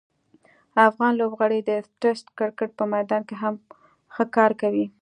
افغان لوبغاړي د ټسټ کرکټ په میدان کې هم ښه کار کوي.